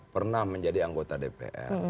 pernah menjadi anggota dpr